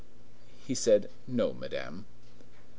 He said, "No, Madame."